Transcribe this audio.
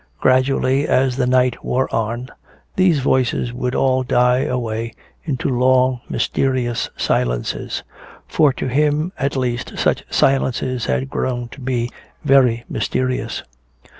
Gradually as the night wore on, these voices would all die away into long mysterious silences for to him at least such silences had grown to be very mysterious.